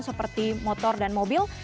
seperti motor dan mobil